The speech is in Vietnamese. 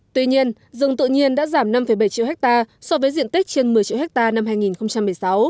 tuy nhiên rừng tự nhiên đã giảm năm bảy triệu hectare so với diện tích trên một mươi triệu hectare năm hai nghìn một mươi sáu